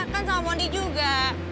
kan sama mondi juga